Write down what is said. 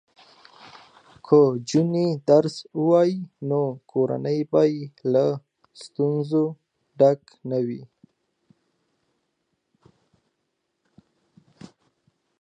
که نجونې درس ووایي نو کورنۍ به له ستونزو ډکه نه وي.